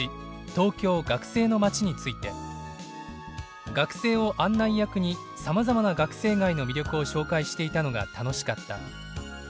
「東京・学生の街」について「学生を案内役にさまざまな学生街の魅力を紹介していたのが楽しかった。